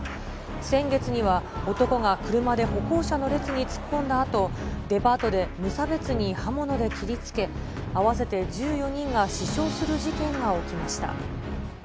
先月には、男が車で歩行者の列に突っ込んだあと、デパートで無差別に刃物で切りつけ、合わせて１４人が死傷する事件が起きました。